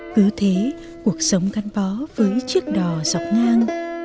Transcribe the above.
cứ thế cuộc sống gắn bó với chiếc đò dọc ngang